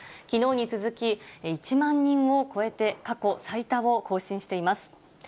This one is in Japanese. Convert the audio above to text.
きのうに続き１万人を超えて、過去最多を更新しています。